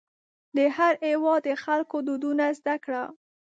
د هر هېواد د خلکو دودونه زده کړه.